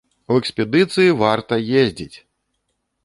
У экспедыцыі варта ездзіць!